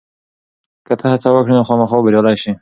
که ته هڅه وکړې، نو خامخا به بریالی شې.